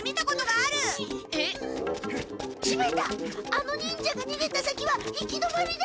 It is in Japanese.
あの忍者がにげた先は行き止まりだ！